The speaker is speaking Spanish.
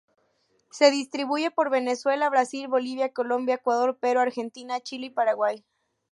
Se distribuye por Venezuela, Brasil, Bolivia, Colombia, Ecuador, Perú, Argentina, Chile y Paraguay.